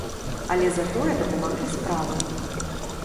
Але затое дапамаглі справаю.